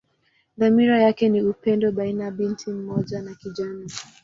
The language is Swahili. Dhamira yake ni upendo baina binti mmoja na kijana.